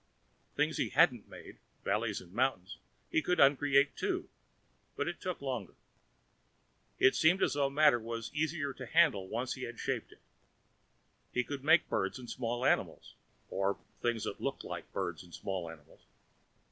Things he hadn't made valleys and mountains he could uncreate, too, but it took longer. It seemed as though matter was easier to handle once he had shaped it. He could make birds and small animals, or things that looked like birds and small animals.